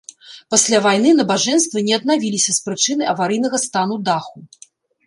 Пасля вайны набажэнствы не аднавіліся з прычыны аварыйнага стану даху.